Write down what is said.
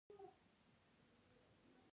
شا ته يې وکتل.